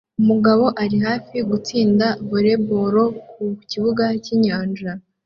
Umugabo ari hafi gutsinda volleyball ku kibuga cyinyanja